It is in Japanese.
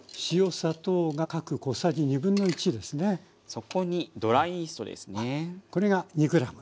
そこにドライイーストですね。